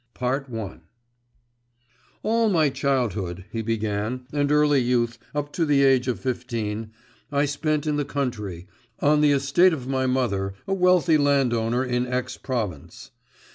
I 'All my childhood,' he began, 'and early youth, up to the age of fifteen, I spent in the country, on the estate of my mother, a wealthy landowner in X province.